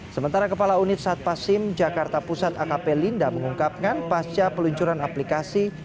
sementara kepala unit satpasim jakarta pusat akp linda mengungkapkan pasca peluncuran aplikasi